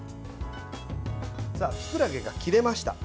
きくらげが切れました。